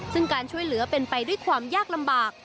ซึ่งการช่วยเหลือเป็นไปด้วยความยากลำบาก